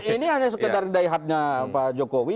ini hanya sekedar daihatnya pak jokowi